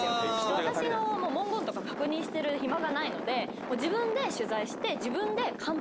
私の文言とか確認してる暇がないので自分で取材して。